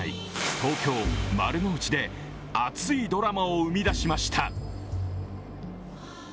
東京・丸の内で熱いドラマを生み出しました。